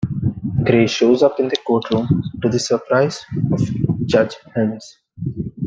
Gray shows up in the courtroom, to the surprise of Judge Helms.